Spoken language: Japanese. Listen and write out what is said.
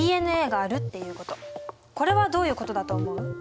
これはどういうことだと思う？